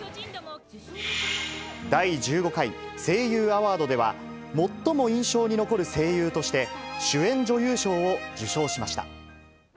第十五回声優アワードでは、最も印象に残る声優として、主演女優賞を受賞しました。